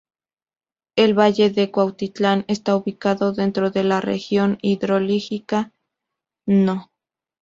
El valle de Cuautitlán está ubicado dentro de la región hidrológica No.